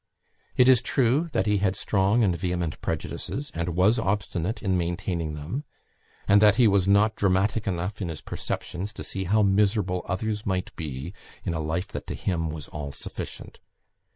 It is true that he had strong and vehement prejudices, and was obstinate in maintaining them, and that he was not dramatic enough in his perceptions to see how miserable others might be in a life that to him was all sufficient.